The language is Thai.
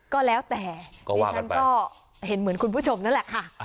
ก็แล้วแต่ดิฉันก็เห็นเหมือนคุณผู้ชมนั่นแหละค่ะ